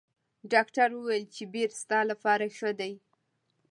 ډاکټر ویل چې بیر ستا لپاره ښه دي.